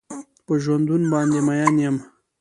په ژوندون باندې مين يم.